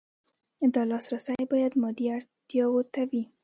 دا لاسرسی باید مادي اړتیاوو ته وي.